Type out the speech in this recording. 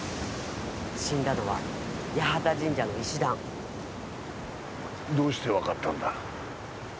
死んだのは八幡神社の石段どうして分かったんだ？